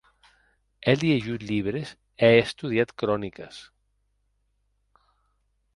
È liejut libres e è estudiat croniques.